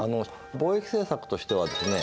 貿易政策としてはですね